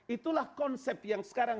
itulah konsep yang sekarang